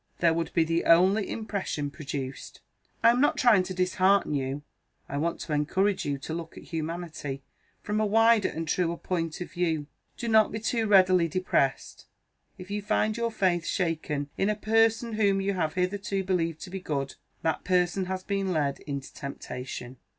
There would be the only impression produced. I am not trying to dishearten you; I want to encourage you to look at humanity from a wider and truer point of view. Do not be too readily depressed, if you find your faith shaken in a person whom you have hitherto believed to be good. That person has been led into temptation.